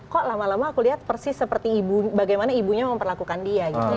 kok lama lama aku lihat persis seperti bagaimana ibunya memperlakukan dia